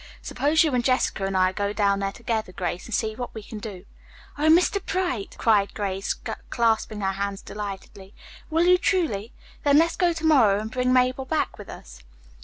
Suppose you and Jessica and I go down there together, Grace, and see what we can do?" "O Mr. Bright!" cried Grace, clasping her hands delightedly, "will you, truly? Then let's go to morrow and bring Mabel back with us."